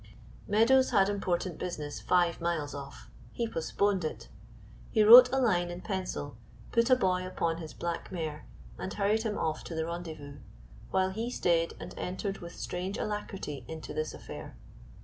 Meadows had important business five miles off; he postponed it. He wrote a line in pencil, put a boy upon his black mare, and hurried him off to the rendezvous, while he stayed and entered with strange alacrity into this affair.